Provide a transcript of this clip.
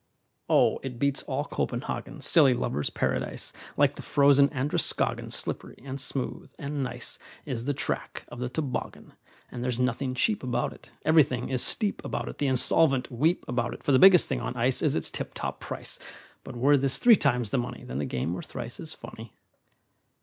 Oh, it beats all "Copenhagen," Silly lovers' paradise! Like the frozen Androscoggin, Slippery, and smooth, and nice, Is the track of the toboggan; And there's nothing cheap about it, Everything is steep about it, The insolvent weep about it, For the biggest thing on ice Is its tip top price; But were this three times the money, Then the game were thrice as funny.